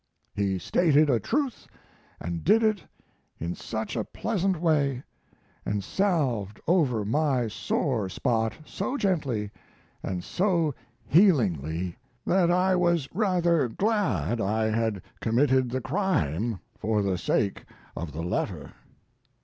He stated a truth and did it in such a pleasant way, and salved over my sore spot so gently and so healingly, that I was rather glad I had committed the crime, for the sake of the letter.